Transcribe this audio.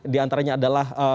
di antaranya adalah